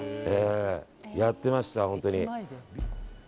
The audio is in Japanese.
やってました、本当に。